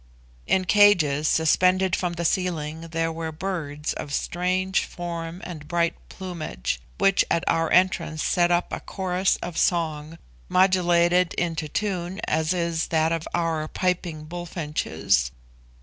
In cages suspended from the ceiling there were birds of strange form and bright plumage, which at our entrance set up a chorus of song, modulated into tune as is that of our piping bullfinches.